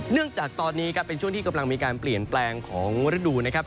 จากตอนนี้ครับเป็นช่วงที่กำลังมีการเปลี่ยนแปลงของฤดูนะครับ